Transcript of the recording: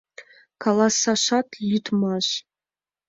Каласашат лӱдмаш...